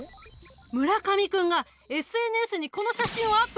村上君がＳＮＳにこの写真をアップしたんだ！